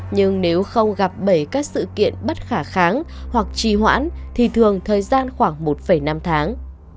nhưng nếu không gặp bảy các sự kiện bất khả kháng hoặc trì hoãn thì thường thời gian khoảng một năm tháng